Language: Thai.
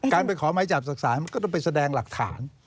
การไปขอหมายจับจากสารก็ต้องไปแสดงหลักฐาน